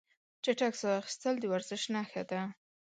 چټک ساه اخیستل د ورزش نښه ده.